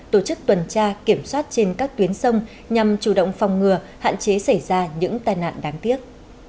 tổ chức tuần tra kiểm soát trên các tuyến sông nhằm chủ động phòng ngừa hạn chế xảy ra những tai nạn đáng tiếc